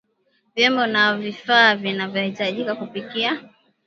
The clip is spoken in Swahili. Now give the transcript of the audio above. Vyombo na vifaa vinavyohitajika kupikia